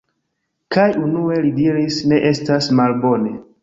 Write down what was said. Kaj unue li diris: "Ne estas malbone".